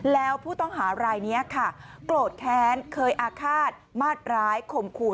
แล้วผู้ต้องหารายนี้ค่ะโกรธแค้นเคยอาฆาตมาดร้ายข่มขู่